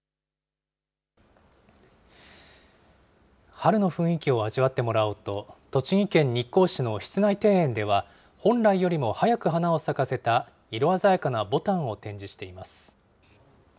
春の雰囲気を味わってもらおうと、栃木県日光市の室内庭園では本来よりも早く花を咲かせた、色鮮やかなぼたんを展示しています。